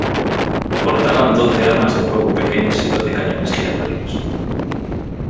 Portaban doce armas de fuego pequeñas y doce cañones giratorios.